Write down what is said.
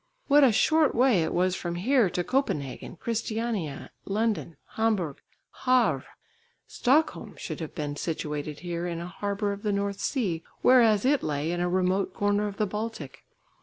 What a short way it was from here to Copenhagen, Christiania, London, Hamburg, Havre! Stockholm should have been situated here in a harbour of the North Sea, whereas it lay in a remote corner of the Baltic.